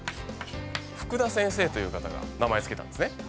福田先生という方が名前を付けたんですね。